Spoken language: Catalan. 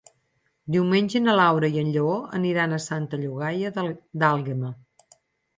Diumenge na Laura i en Lleó aniran a Santa Llogaia d'Àlguema.